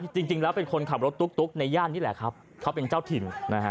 จริงแล้วเป็นคนขับรถตุ๊กในย่านนี่แหละครับเขาเป็นเจ้าถิ่น